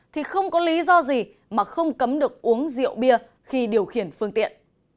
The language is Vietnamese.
thì không có lý do gì mà không cấm được uống rượu bia khi điều khiển phương tiện